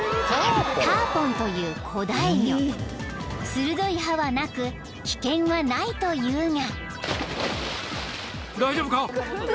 ［鋭い歯はなく危険はないというが］